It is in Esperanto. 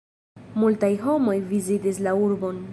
Multaj homoj vizitas la urbon.